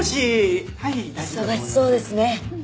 忙しそうですね。